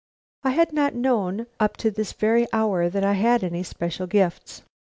I had not known up to this very hour that I had any special gifts.